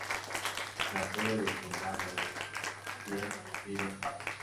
La sede del condado es Thief River Falls.